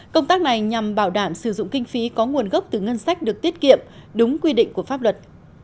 công tác này nhằm bảo đảm sử dụng kinh phí có nguồn gốc từ ngân sách được tiết kiệm đúng quy định của pháp luật